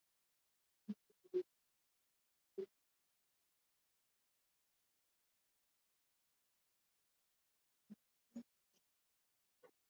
Mgombea huyo mwenye umri wa miaka arubaini na ine, baadae alijitokeza kutawanya umati uliokuwa ukimsubiri